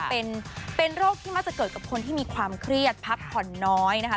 เป็นโรคที่มักจะเกิดกับคนที่มีความเครียดพักผ่อนน้อยนะคะ